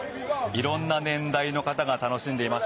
いろんな年代の方が楽しんでいます。